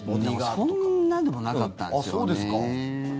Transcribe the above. いやそんなでもなかったんですよね。